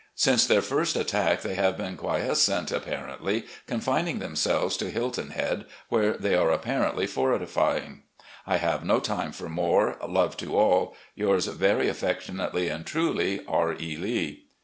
Since their first attack they have been quiescent apparently, confining themselves to Hil ton Head, where they are apparently fortifying. " I have no time for more. Love to all. "Yours very affectionately and truly, "R. E. Lee."